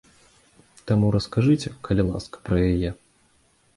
Таму раскажыце, калі ласка, пра яе.